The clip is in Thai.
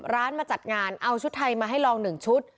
มาจัดงานเอาชุดไทยมาให้ลอง๑ชุด